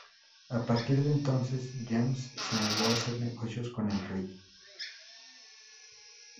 A partir de entonces, James se negó a hacer negocios con el rey.